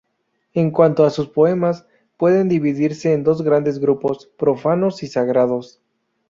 En cuanto a sus poemas, pueden dividirse en dos grandes grupos, profanos y sagrados.